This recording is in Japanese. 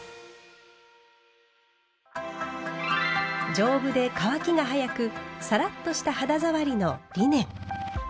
丈夫で乾きが早くサラッとした肌触りのリネン。